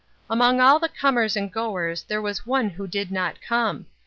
Among all the comers and goers there was one who did not come.